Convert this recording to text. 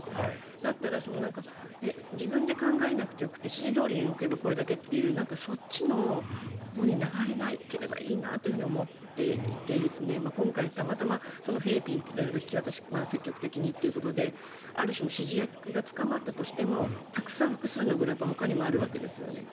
だったら自分で考えなくてよくて指示どおりに動けばこれだけというそっちのほうに流れなければいいなと思っていて今回、たまたまフィリピンが引き渡しを積極的にということである種の指示役が捕まったとしてもたくさん複数のグループがほかにもあるわけですよね。